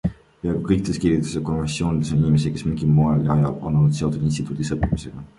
Peaaegu kõikides kirikutes ja konfessioonides on inimesi, kes mingil moel ja ajal on olnud seotud instituudis õppimisega.